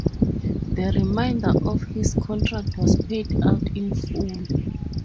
The remainder of his contract was paid out in full.